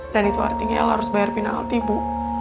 dan itu artinya el harus bayar pinaulti bu